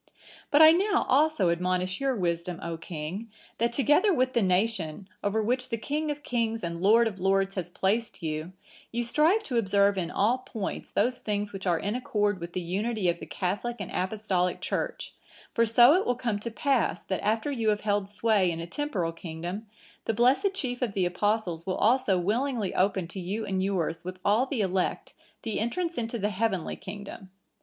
"But I now also admonish your wisdom, O king, that together with the nation, over which the King of kings, and Lord of lords, has placed you, you strive to observe in all points those things which are in accord with the unity of the Catholic and Apostolic Church; for so it will come to pass, that after you have held sway in a temporal kingdom, the blessed chief of the Apostles will also willingly open to you and yours with all the elect the entrance into the heavenly kingdom.